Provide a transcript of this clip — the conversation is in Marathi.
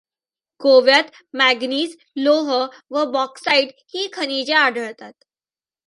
गोव्यात मॅगनीज, लोह व बॅाक्साईट ही खनिजे आढळतात.